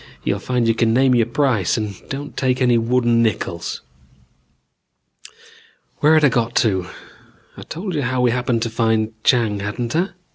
You'll find you can name your price and don't take any wooden nickels. "Where had I got to? I'd told you how we happened to find Chang, hadn't I?